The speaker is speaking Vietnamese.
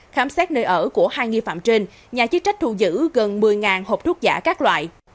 khám xét nơi ở của hai nghi phạm trên nhà chức trách thu giữ gần một mươi hộp thuốc giả các loại